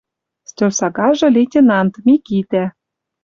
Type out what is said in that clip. Стӧл сагажы лейтенант — Микитӓ